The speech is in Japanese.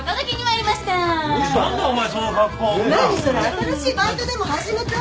新しいバイトでも始めた？